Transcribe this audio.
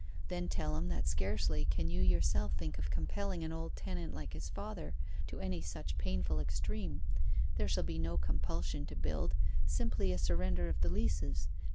Then tell him that scarcely can you yourself think of compelling an old tenant like his father to any such painful extreme there shall be no compulsion to build, simply a surrender of the leases.